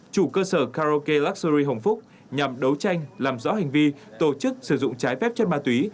chủ cơ sở karaoke luxury hồng phúc nhằm đấu tranh làm rõ hành vi tổ chức sử dụng trái phép chất ma túy